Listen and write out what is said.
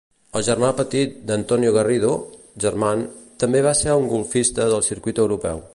El germà petit d'Antonio Garrido, German, també va ser un golfista del circuit europeu.